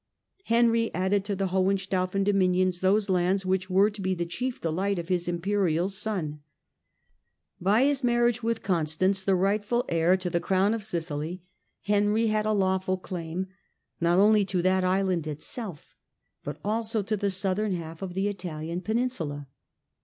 Henry added to the Hohenstaufen dominions those lands which were to be the chief delight of his Imperial son. By his marriage with Constance, the rightful heir tothe crown of Sicily, Henry had a lawful claim, not only to that island itself, but also to the southern half of the Italian peninsula.